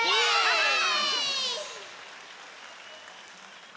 イエーイ！